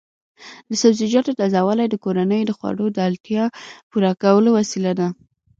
د سبزیجاتو تازه والي د کورنیو د خوړو د اړتیا پوره کولو وسیله ده.